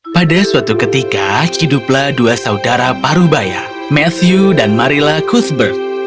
pada suatu ketika hiduplah dua saudara parubaya matthew dan marilla cusbert